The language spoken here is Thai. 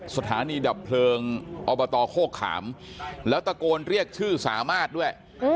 สถานีดับเพลิงอบตโคกขามแล้วตะโกนเรียกชื่อสามารถด้วย